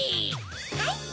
はい！